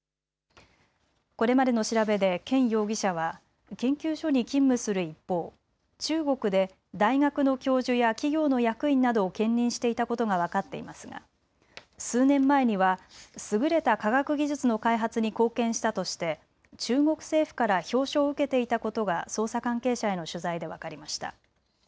これまでの調べで権容疑者は研究所に勤務する一方、中国で大学の教授や企業の役員などを兼任していたことが分かっていますが数年前には優れた科学技術の開発に貢献したとして中国政府から表彰を受けていたことが捜査関係者への取材で分かりました。